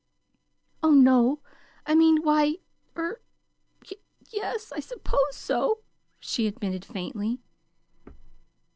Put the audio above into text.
"Oh, no! I mean why er y yes, I suppose so," she admitted faintly.